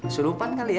surupan kali ya